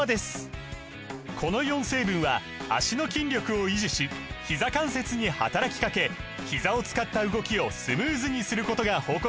この４成分は脚の筋力を維持しひざ関節に働きかけひざを使った動きをスムーズにすることが報告されています